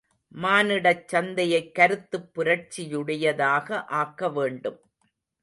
மானிடச் சந்தையைக் கருத்துப் புரட்சியுடையதாக ஆக்க வேண்டும்.